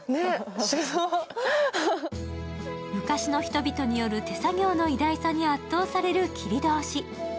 昔の人々による手作業の偉大さに圧倒される切り通し。